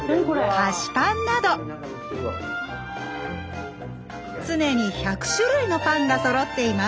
菓子パンなど常に１００種類のパンがそろっています。